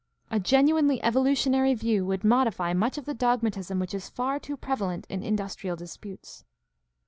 A genuinely evolutionary view would modify much of the dogmatism which is far too prevalent in industrial disputes.